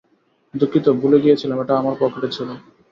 দুঃখিত, ভুলে গিয়েছিলাম এটা আমার পকেটে ছিল।